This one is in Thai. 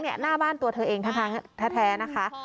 หน้าบ้านตัวเธอเองแท้นะคะ